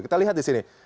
kita lihat di sini